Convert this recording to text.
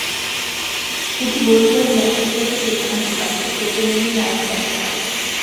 সেটি গোল হলে ম্যাচ রিপোর্টের শিরোনাম হতে পারত—খেলতে নেমেই নায়ক প্যাসকাল।